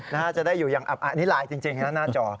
น่าจะได้อยู่อย่างอับอันนี้ไลน์จริงนะหน้าจอ